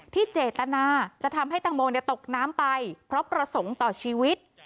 เจตนาจะทำให้ตังโมตกน้ำไปเพราะประสงค์ต่อชีวิต